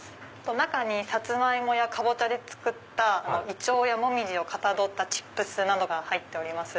中にサツマイモやカボチャで作ったイチョウやモミジをかたどったチップスなどが入っております。